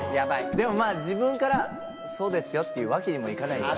でも自分からそうですよって言うわけにもいかないし。